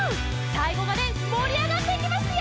さいごまでもりあがっていきますよ！